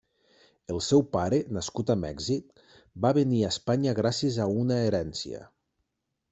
El seu pare, nascut a Mèxic, va venir a Espanya gràcies a una herència.